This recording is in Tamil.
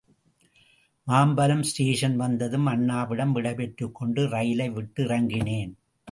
மாம்பலம் ஸ்டேஷன் வந்ததும் அண்ணாவிடம் விடைபெற்றுக்கொண்டு ரயிலைவிட்டு இறங்கினேன்.